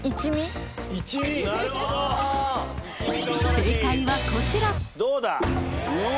正解はこちらうわ